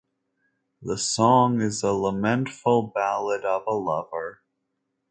The song is a lamentful ballad of a lover.